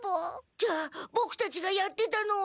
じゃあボクたちがやってたのは。